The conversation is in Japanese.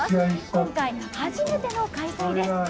今回、初めての開催です！